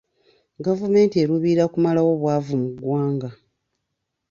Gavumenti eruubirira kumalawo bwavu mu ggwanga.